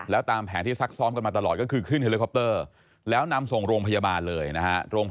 แล้วตามแผนที่ซักซ้อมกันมาตลอดก็คือขึ้นเฮลิคอปเตอร์แล้วนำส่งโรงพยาบาลเลยนะฮะ